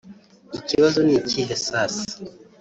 Ikibazo nikihe sasa